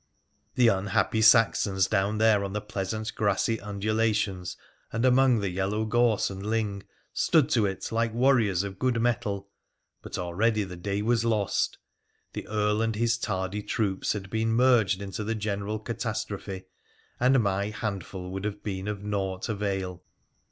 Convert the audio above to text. The unhappy Saxons down there on the pleasant grassy undulations and among the yellow gorse and ling stood to it like warriors of good mettle, but already the day was lost. The Earl and his tardy troops had been merged into the general catastrophe, and my handful would have been of naught avail.